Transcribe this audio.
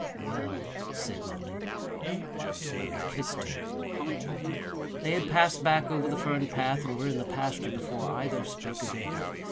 "Well," said Mollie. And Murray kissed her. They had passed back over the fern path and were in the pasture before either spoke again.